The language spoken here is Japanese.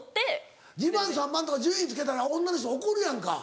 ２番３番とか順位つけたら女の人は怒るやんか。